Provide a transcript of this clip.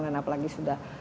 dan apalagi sudah larut